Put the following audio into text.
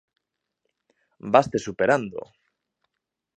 Vaste superando.